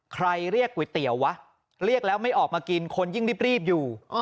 เรียกก๋วยเตี๋ยววะเรียกแล้วไม่ออกมากินคนยิ่งรีบอยู่